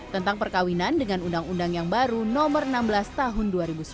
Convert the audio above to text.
tentang perkawinan dengan undang undang yang baru nomor enam belas tahun dua ribu sembilan belas